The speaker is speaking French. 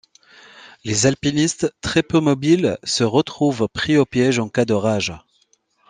Les alpinistes, très peu mobiles, se retrouvent pris au piège en cas d'orage.